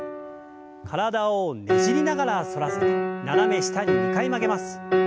体をねじりながら反らせて斜め下に２回曲げます。